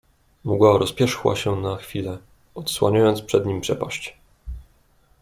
"Mgła rozpierzchła się na chwilę, odsłaniając przed nim przepaść."